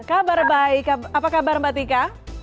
kabar baik apa kabar mbak tika